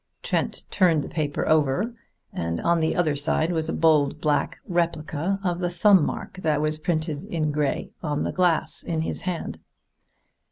Trent turned the paper over, and on the other side was a bold black replica of the thumb mark that was printed in gray on the glass in his hand.